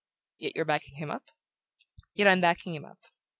"Yet you're backing him up?" "Yet I'm backing him up."